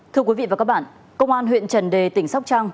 thưa quý vị và các bạn công an huyện trần đề tỉnh sóc trăng